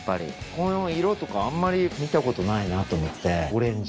この色とかあんまり見たことないなと思ってオレンジ。